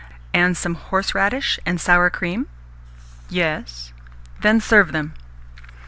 "And some horse radish and sour cream?" "Yes." "Then serve them."